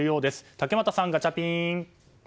竹俣さん、ガチャピン。